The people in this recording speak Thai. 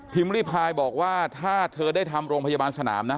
ริพายบอกว่าถ้าเธอได้ทำโรงพยาบาลสนามนะ